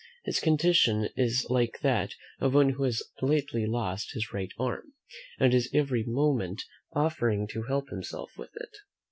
His condition is like that of one who has lately lost his right arm, and is every moment offering to help himself with it.